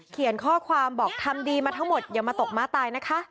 เขียนข้อความบอกทำดีมาทั้งหมดอย่ามาตกม้าตายนะคะ